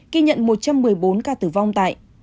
ghi nhận một trăm một mươi bốn ca tử vong tại